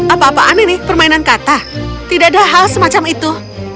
apa apaan ini permainan kata tidak ada hal semacam itu